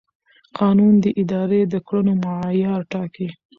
قانون د ادارې د کړنو معیار ټاکي.